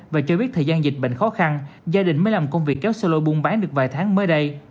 và cho biết thời gian dịch bệnh khó khăn gia đình mới làm công việc kéo solo buôn bán được vài tháng mới đây